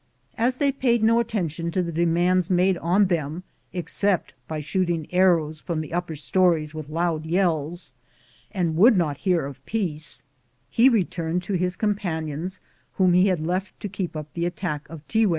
As they paid no attention to the demands made on them except by shooting arrows from the upper stories with loud yells, and would not hear of peace, he re turned to his companions whom he had left to keep up the attack of Tiguex.